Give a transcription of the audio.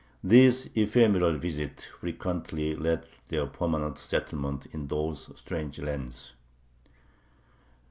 These ephemeral visits frequently led to their permanent settlement in those strange lands.